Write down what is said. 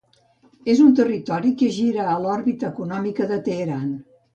És un territori que gira a l'òrbita econòmica de Teheran.